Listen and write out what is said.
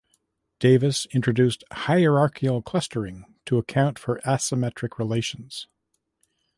Davis introduced "hierarchical clustering" to account for asymmetric relations.